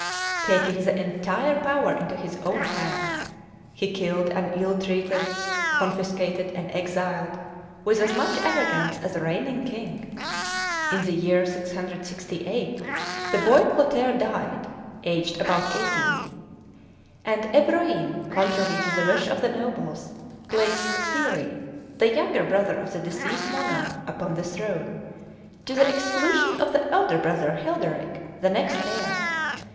Taking the entire power into his own hands, he killed and ill treated, confiscated and exiled, with as much arrogance as a reigning king. In the year 668 the boy Clotaire died, aged about eighteen; and Ebroin, contrary to the wish of the nobles, placed Thierry, the younger brother of the deceased monarch, upon the throne, to the exclusion of the elder brother, Childerick, the next heir.